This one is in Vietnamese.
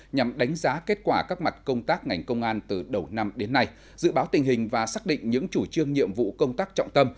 nhằm đánh giá kết quả các mặt công tác ngành công an từ đầu năm đến nay dự báo tình hình và xác định những chủ trương nhiệm vụ công tác trọng tâm